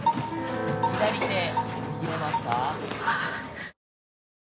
左手握れますか？